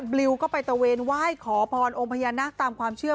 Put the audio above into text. บลิวก็ไปตะเวนไหว้ขอพรองค์พญานาคตามความเชื่อ